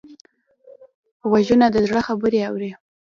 غوږونه د زړه خبرې اوري